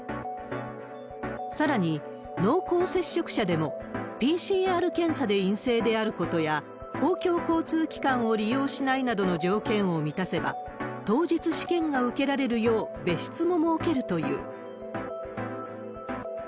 さらに濃厚接触者でも、ＰＣＲ検査で陰性であることや、公共交通機関を利用しないなどの条件を満たせば、当日試験が受けられるよう別室も設けるという。